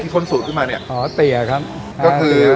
เขาขายหมู